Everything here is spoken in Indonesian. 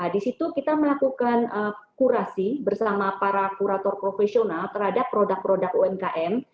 di situ kita melakukan kurasi bersama para kurator profesional terhadap produk produk umkm